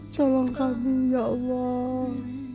tolong kami ya allah